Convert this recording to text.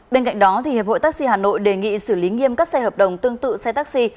bên cạnh đó hiệp hội taxi hà nội đề nghị xử lý nghiêm các xe hợp đồng tương tự xe taxi